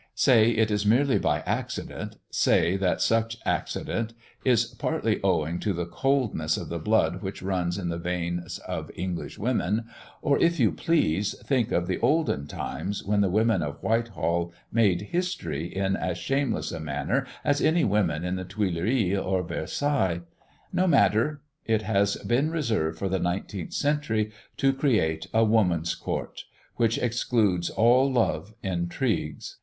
Say it is merely by accident; say that such accident is partly owing to the coldness of the blood which runs in the veins of English women; or, if you please, think of the olden times, when the women of Whitehall made history in as shameless a manner as any women in the Tuilleries or Versailles. No matter! It has been reserved for the 19th century to create a Woman's Court, which excludes all love intrigues.